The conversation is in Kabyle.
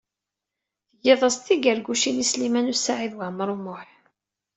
Tgid-as-d tigargucin i Sliman U Saɛid Waɛmaṛ U Muḥ.